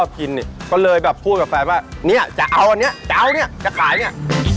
กินเนี่ยก็เลยแบบพูดกับแฟนว่าเนี่ยจะเอาอันเนี้ยจะเอาเนี่ยจะขายเนี่ย